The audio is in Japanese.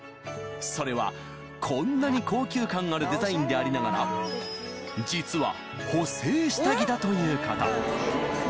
それはこんなに高級感あるデザインでありながら実はだということ